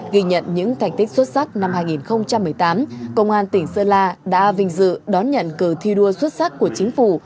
ghi nhận những thành tích xuất sắc năm hai nghìn một mươi tám công an tỉnh sơn la đã vinh dự đón nhận cờ thi đua xuất sắc của chính phủ